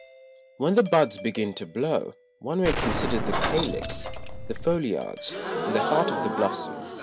When the Buds begin to blow, one may consider the Calix, the Foliage, and the Heart of the Blossom.